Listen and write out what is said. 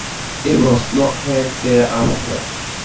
It was not held thereafter.